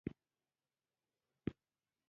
خو هغه د ځواب ورکولو لپاره ډیر خفه و